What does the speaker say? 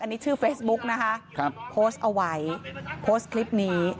อันนี้ชื่อเฟซบุ๊กนะคะโพสต์เอาไว้โพสต์คลิปนี้